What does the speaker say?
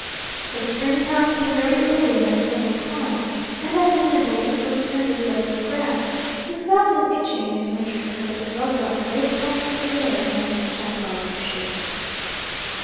But springtime came very early in that southern clime, and as he nibbled the first tender blades of grass, he felt an itching in his wintry coat and rubbed off great tufts of hair against the chaparral bushes.